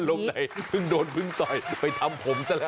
อารมณ์ใดเพิ่งโดนพึ่งต่อยไปทำผมซะแล้ว